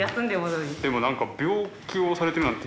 でも何か病気をされてるなんてふうには。